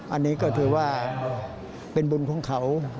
อันนี้ก็ถือว่าเป็นบุญของเขา